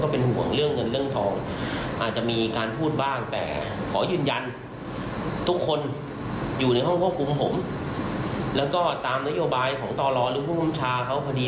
พอเรามาถังกันให้ดี